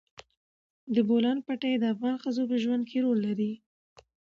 د بولان پټي د افغان ښځو په ژوند کې رول لري.